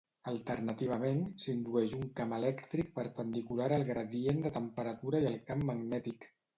Alternativament, s'indueix un camp elèctric perpendicular al gradient de temperatura i al camp magnètic.